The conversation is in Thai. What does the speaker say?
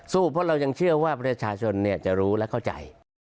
เพราะเรายังเชื่อว่าประชาชนจะรู้และเข้าใจ